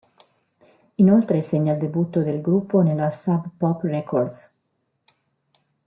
Inoltre segna il debutto del gruppo nella Sub Pop Records.